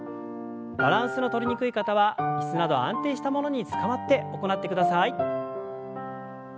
バランスのとりにくい方は椅子など安定したものにつかまって行ってください。